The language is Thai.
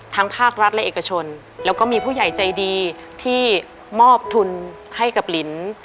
ภาครัฐและเอกชนแล้วก็มีผู้ใหญ่ใจดีที่มอบทุนให้กับลิน